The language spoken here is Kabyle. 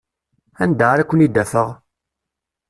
Anda ara ken-id-afeɣ?